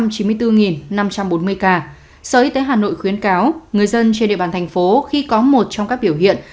bốn trăm chín mươi bốn năm trăm bốn mươi ca sở y tế hà nội khuyến cáo người dân trên địa bàn thành phố khi có một trong các biểu hiện